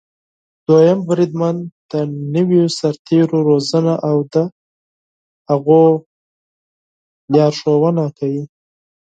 دوهم بریدمن د نويو سرتېرو روزنه او د هغوی لارښونه کوي.